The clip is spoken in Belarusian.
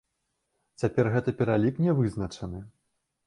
Цяпер гэты пералік не вызначаны.